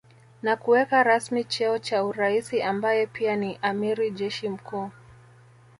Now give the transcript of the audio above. Na kuweka rasmi cheo cha uraisi ambaye pia ni amiri jeshi mkuu